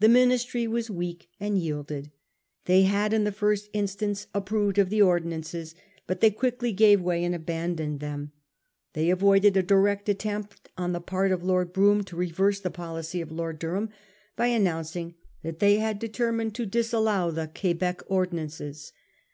The Ministry were weak and yielded. They had in the first instance approved of the ordinances, but they quickly gave way and abandoned them. They avoided a direct attempt on the part of Lord Brougham to reverse the policy of Lord Durham by announcing that they had determined to disallow the Quebec ordinances.